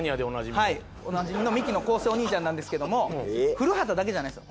はいおなじみのミキの昴生お兄ちゃんなんですけども「古畑」だけじゃないんですよ